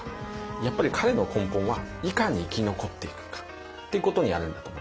やっぱり彼の根本はいかに生き残っていくかっていうことにあるんだと思いますね。